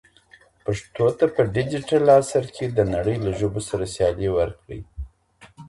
پښتو ته په ډیجیټل عصر کې د نړۍ له ژبو سره سیالي ورکړئ.